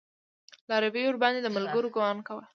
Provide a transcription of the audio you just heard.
لارويو ورباندې د ملګرو ګمان کوه.